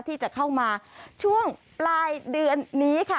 ที่จะเข้ามาช่วงปลายเดือนนี้ค่ะ